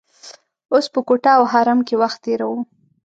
اوس په کوټه او حرم کې وخت تیروو.